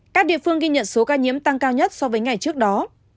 các địa phương ghi nhận số ca nhiễm tăng cao nhất so với ngày trước đó